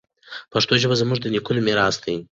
پښتو ژبه زموږ د نیکونو میراث دی.